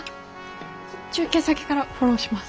中継先からフォローします。